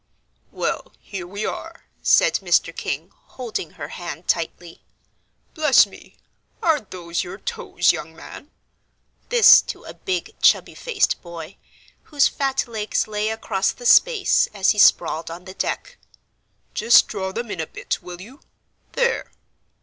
"Well, here we are," said Mr. King, holding her hand tightly. "Bless me are those your toes, young man?" this to a big chubby faced boy, whose fat legs lay across the space as he sprawled on the deck; "just draw them in a bit, will you? there.